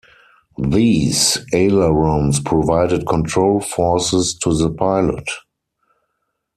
These ailerons provided control forces to the pilot.